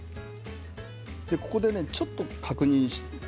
ここでちょっと確認。